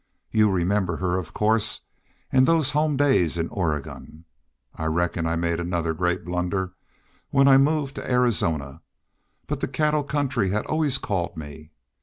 You remember her, of course, an' those home days in Oregon. I reckon I made another great blunder when I moved to Arizona. But the cattle country had always called me.